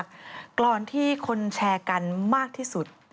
ก่อนที่คนแชร์กันมากที่สุด